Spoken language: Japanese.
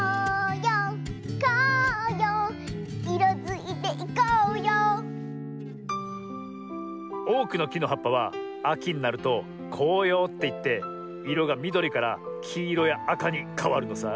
ようこうよういろづいていこうようおおくのきのはっぱはあきになると「こうよう」っていっていろがみどりからきいろやあかにかわるのさ。